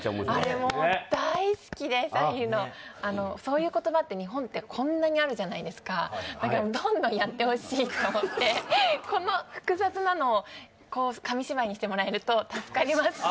もう大好きでそういう言葉って日本ってこんなにあるじゃないですかだからどんどんやってほしいと思ってこの複雑なのをこう紙芝居にしてもらえると助かります